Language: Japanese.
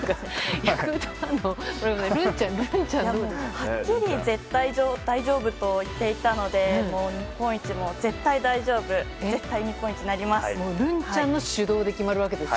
はっきり「絶対大丈夫」と言っていたので日本一も絶対大丈夫絶対、日本一になります。